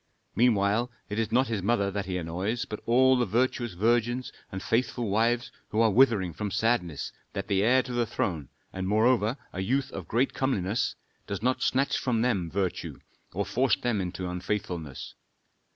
Meanwhile it is not his mother that he annoys, but all the virtuous virgins and faithful wives who are withering from sadness that the heir to the throne, and moreover a youth of great comeliness, does not snatch from them virtue or force them to unfaithfulness.